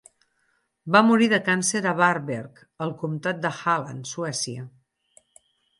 Va morir de càncer a Varberg, al Comtat de Halland, Suècia.